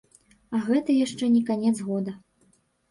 А гэта яшчэ не канец года.